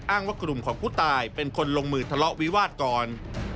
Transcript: ว่ากลุ่มของผู้ตายเป็นคนลงมือทะเลาะวิวาสก่อน